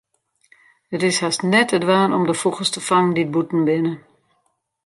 It is hast net te dwaan om de fûgels te fangen dy't bûten binne.